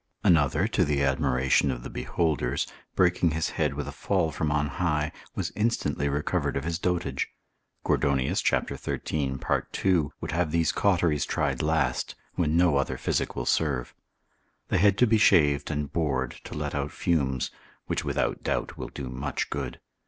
Another, to the admiration of the beholders, breaking his head with a fall from on high, was instantly recovered of his dotage. Gordonius cap. 13. part. 2. would have these cauteries tried last, when no other physic will serve. The head to be shaved and bored to let out fumes, which without doubt will do much good.